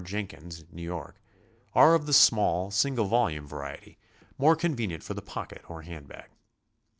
Jenkins, New York, are of the small, single volume variety, more con venient for the pocket or hand bag.